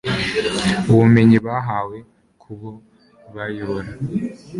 ubumenyi bahawe ku bo bayobora